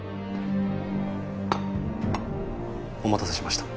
お待たせしました。